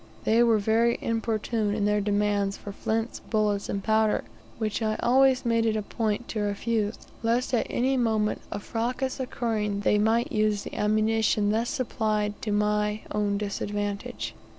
They were very importunate in their demands for flints, bullets, and powder, which I always made it a point to refuse, lest at any moment a fracas occurring they might use the ammunition thus supplied to my own disadvantage.